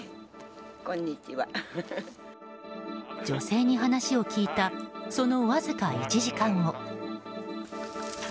女性に話を聞いたそのわずか１時間後。